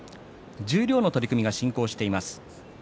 十両の取組が進行しています。